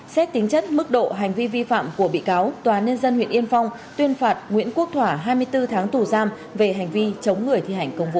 xét tính chất mức độ hành vi vi phạm của bị cáo tòa nhân dân huyện yên phong tuyên phạt nguyễn quốc thỏa hai mươi bốn tháng tù giam về hành vi chống người thi hành công vụ